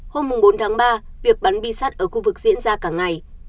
hôm bốn tháng ba việc bắn bi sắt ở khu vực diễn ra cả ngày